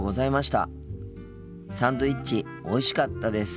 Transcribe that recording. サンドイッチおいしかったです。